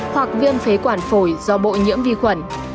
hoặc viêm phế quản phổi do bội nhiễm vi khuẩn